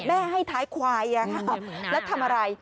ให้ท้ายควายแล้วทำอะไร